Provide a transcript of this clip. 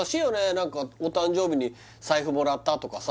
何かお誕生日に財布もらったとかさ